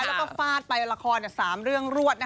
แล้วก็ฟาดไปละคร๓เรื่องรวด